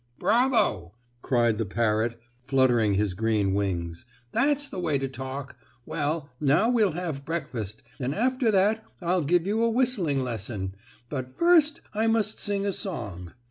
"Bravo!" cried the parrot, fluttering his green wings. "That's the way to talk. Well, now we'll have breakfast, and after that I'll give you a whistling lesson, but first I must sing a song."